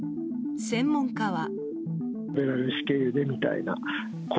専門家は。